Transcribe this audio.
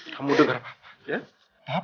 kamu denger papa